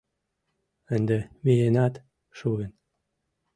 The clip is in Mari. — Ынде миенат шуын.